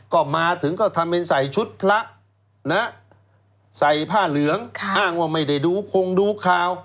ก็มาถึงก็ทำเป็นใส่ชุดพระนะใส่ผ้าเหลืองอ้างว่าไม่ได้ดูคงดูข่าว